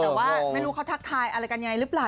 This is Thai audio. แต่ว่าไม่รู้เขาทักทายอะไรกันยังไงหรือเปล่า